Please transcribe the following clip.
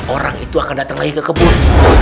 orang itu akan datang lagi ke kebun